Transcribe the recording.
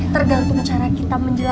tergantung cara kita menjaga